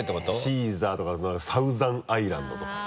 シーザーとかサウザンアイランドとかさ。